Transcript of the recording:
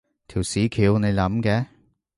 條屎橋你諗嘅？